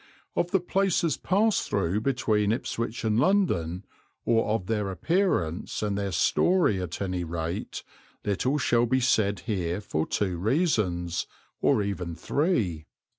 Of the places passed through between Ipswich and London, or of their appearance and their story at any rate, little shall be said here for two reasons, or even three.